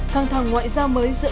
căng thẳng ngoại giao mới giữa